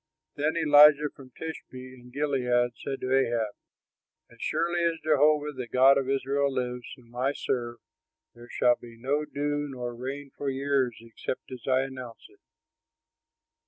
Then Elijah from Tishbe in Gilead said to Ahab, "As surely as Jehovah the God of Israel lives, whom I serve, there shall be no dew nor rain for years except as I announce it."